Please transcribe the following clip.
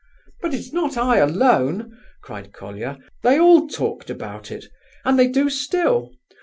"But it's not I alone," cried Colia. "They all talked about it, and they do still.